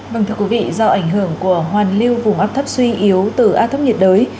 vâng thưa quý vị do ảnh hưởng của hoàn lưu vùng áp thấp suy yếu từ áp thấp nhiệt đới